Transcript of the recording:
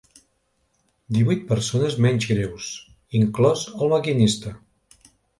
Divuit persones menys greus, inclòs el maquinista.